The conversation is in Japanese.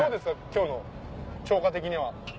今日の釣果的には。